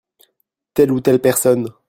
Telle ou telle personne.